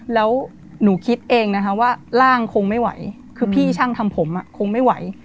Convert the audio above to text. แล้วหนูคิดเองนะคะว่าร่างคงไม่ไหวคือพี่ช่างทำผมคงไม่ไหว